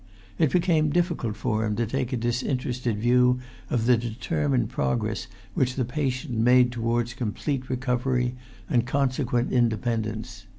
It became difficult for him to take a disinterested view of the determined progress which the patient made towards complete recovery and consequent independence.